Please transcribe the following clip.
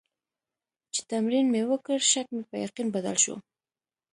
چې تمرین مې وکړ، شک مې په یقین بدل شو.